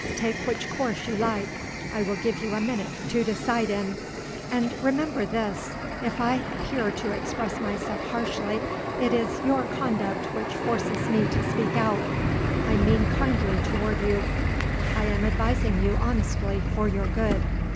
Take which course you like: I will give you a minute to decide in. And remember this if I appear to express myself harshly, it is your conduct which forces me to speak out. I mean kindly toward you; I am advising you honestly for your good."